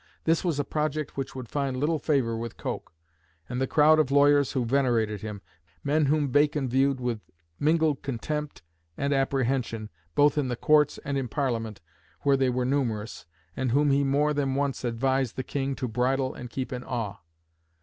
This was a project which would find little favour with Coke, and the crowd of lawyers who venerated him men whom Bacon viewed with mingled contempt and apprehension both in the courts and in Parliament where they were numerous, and whom he more than once advised the King to bridle and keep "in awe."